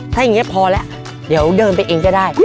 ถ้าอย่างนี้พอแล้วเดี๋ยวเดินไปเองก็ได้